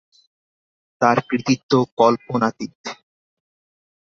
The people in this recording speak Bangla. তার কৃতিত্ব কল্পনাতীত।